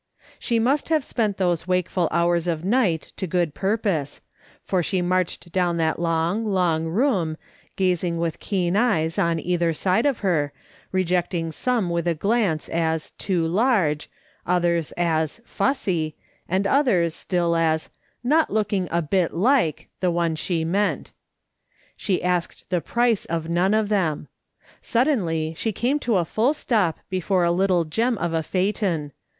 She must have spent those •wakeful hours of night to good purpose, for she marched down that long, long room, gazing with keen eyes on either side of her, rejecting some with a glance as too " large," others as " fussy," and others still as " not looking a bit like" the one she meant. She asked the price of none of them. Suddenly she came to a full stop before a little gem of a phaeton.